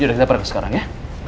yaudah kita berangkat sekarang ya